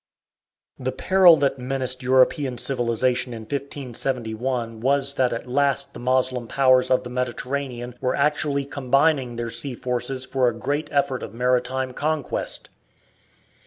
The peril that menaced European civilization in 1571 was that at last the Moslem powers of the Mediterranean were actually combining their sea forces for a great effort of maritime conquest.